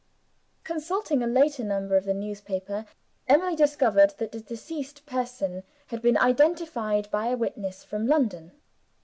........ Consulting a later number of the newspaper Emily discovered that the deceased person had been identified by a witness from London.